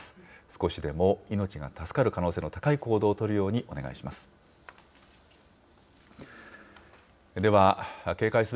少しでも命が助かる可能性の高い行動を取るようにお願いします。